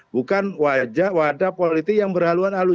bukan wadah politik yang berhaluan